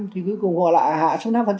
thì cuối cùng họ lại hạ xuống năm